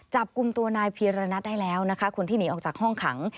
จับกลุ่มตัวนายพีรณัทได้แล้วนะคะคนที่หนีออกจากห้องขัง